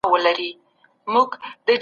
مشران په جرګه کي په ملي ژبو خبري کوي.